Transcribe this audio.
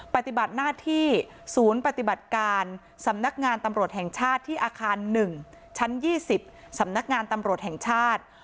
ปฏิบัติหน้าที่ศูนย์ปฏิบัติการสำนักงานตำรวจแห่งชาติที่อาคาร๑ชั้น๒๐สำนักงานตำรวจแห่งชาติ